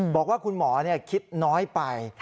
บอกว่าคุณหมอคิดน้อยไป